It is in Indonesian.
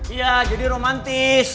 iya jadi romantis